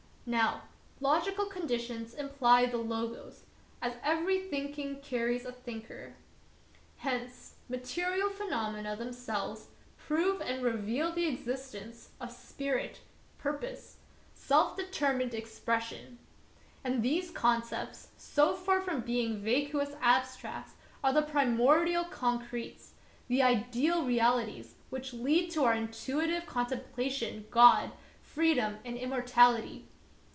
Now, logi cal conditions imply the Logos, as every thinking carries a thinker. Hence material phenomena themselves prove and reveal the exist ence of spirit, purpose, self determined expression. And these concepts, so far from being vacuous abstracts, are the primordial concretes, the ideal realities which yield to our intuitive contem plation God, freedom, and immortality.